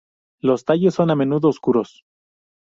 Los tallos son a menudo oscuros.